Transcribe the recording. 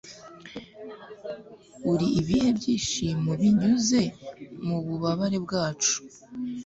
uri ibihe byishimo binyuze mububabare bwacu